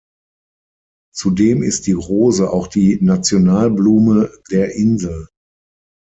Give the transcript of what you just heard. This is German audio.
Zudem ist die Rose auch die Nationalblume der Insel.